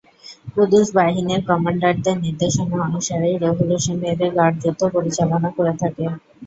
কুদস বাহিনীর কমান্ডারদের নির্দেশনা অনুসারেই রেভল্যুশনারি গার্ড যুদ্ধ পরিচালনা করে থাকে।